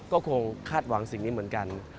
ก็คงคาดหวังสิ่งนี้เหมือนกัน